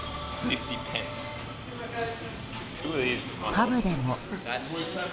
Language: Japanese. パブでも。